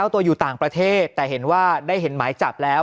ทางประเทศแต่เห็นว่าได้เห็นหมายจับแล้ว